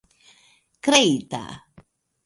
kreita